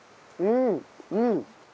うんうん。